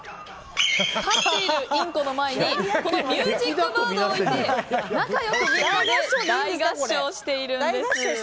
飼っているインコの前にこのミュージックバードを置いて仲良く大合唱しているんです。